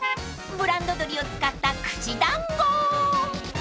［ブランド鶏を使った串団子］